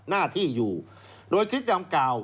หน้าที่อยู่โดยคลิปดังกล่าว